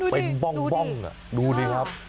เป็นบ้องดูดิครับ